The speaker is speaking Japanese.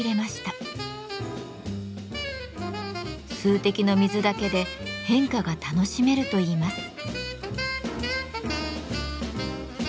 数滴の水だけで変化が楽しめるといいます。